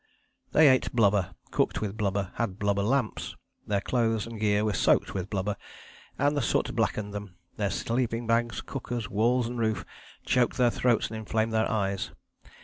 " They ate blubber, cooked with blubber, had blubber lamps. Their clothes and gear were soaked with blubber, and the soot blackened them, their sleeping bags, cookers, walls and roof, choked their throats and inflamed their eyes.